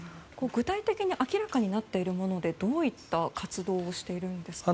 具体的に明らかになっているものではどういった活動をしているんですか？